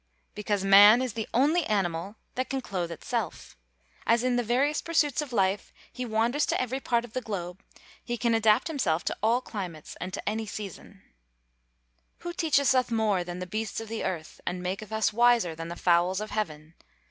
_ Because man is the only animal that can clothe itself. As in the various pursuits of life he wanders to every part of the globe, he can adapt himself to all climates and to any season. [Verse: "Who teacheth us more than the beasts of the earth, and maketh us wiser than the fowls of heaven?"